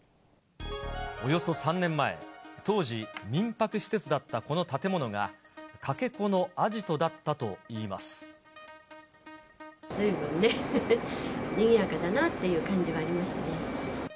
およそ３年前、当時、民泊施設だったこの建物が、ずいぶんね、にぎやかだなっていう感じはありましたよね。